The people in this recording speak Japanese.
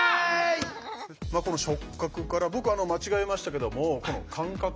この「触覚」から僕間違えましたけどもこの「感覚」